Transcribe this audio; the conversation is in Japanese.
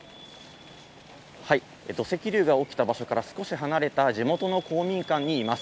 土石流が起きた場所から少し離れた地元の公民館にいます。